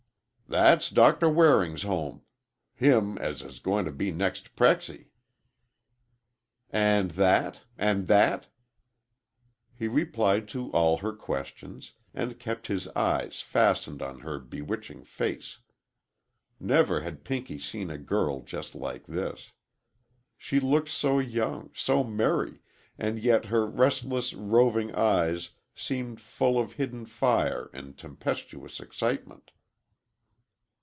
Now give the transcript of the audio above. "That's Doctor Waring's home. Him as is going to be next Prexy." "And that? And that?" He replied to all her questions, and kept his eyes fastened on her bewitching face. Never had Pinky seen a girl just like this. She looked so young, so merry, and yet her restless, roving eyes seemed full of hidden fire and tempestuous excitement.